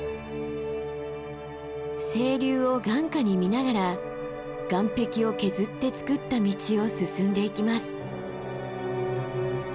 清流を眼下に見ながら岩壁を削って作った道を進んでいきます。